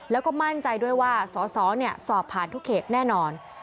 แล้วก็มั่นใจด้วยว่าสสสอบผ่านทุกเขตแน่นอน